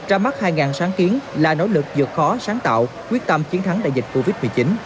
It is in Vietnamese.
ra mắt hai sáng kiến là nỗ lực vượt khó sáng tạo quyết tâm chiến thắng đại dịch covid một mươi chín